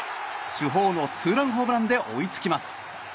主砲のツーランホームランで追いつきます。